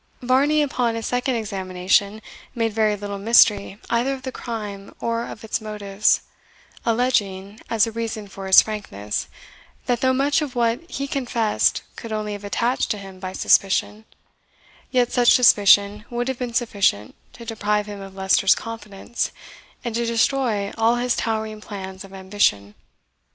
Varney, upon a second examination, made very little mystery either of the crime or of its motives alleging, as a reason for his frankness, that though much of what he confessed could only have attached to him by suspicion, yet such suspicion would have been sufficient to deprive him of Leicester's confidence, and to destroy all his towering plans of ambition.